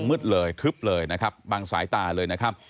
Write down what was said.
มืดเลยทึบเลยนะครับบางสายตาเลยนะครับ